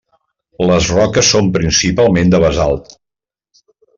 Les roques són principalment de basalt.